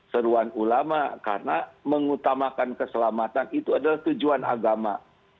seruan ulama karena mengutamakan keselamatan itu adalah tujuan agama